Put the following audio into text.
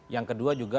yang kedua juga